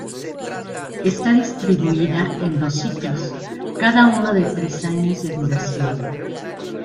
Está distribuida en dos ciclos, cada uno de tres años de duración.